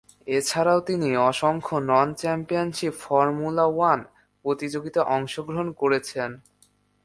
এছাড়াও তিনি অসংখ্য নন-চ্যাম্পিয়নশিপ ফর্মুলা ওয়ান প্রতিযোগিতায় অংশগ্রহণ করেছেন।